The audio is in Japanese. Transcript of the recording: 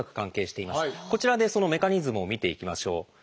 こちらでそのメカニズムを見ていきましょう。